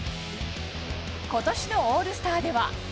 ことしのオールスターでは。